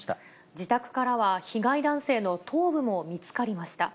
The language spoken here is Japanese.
自宅からは被害男性の頭部も見つかりました。